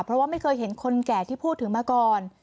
เพราะว่าไม่เคยเห็นคนแก่ที่พูดถึงมาก่อน